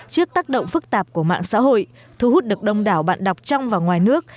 trước tác động phức tạp của mạng xã hội thu hút được đông đảo bạn đọc trong và ngoài nước